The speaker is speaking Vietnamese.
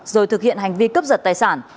rồi thực hiện hành vi cướp giật tài sản